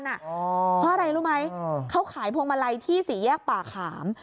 เพราะอะไรรู้ไหมเขาขายพวงมาลัยที่สี่แยกป่าขาม